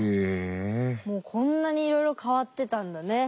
もうこんなにいろいろ変わってたんだね。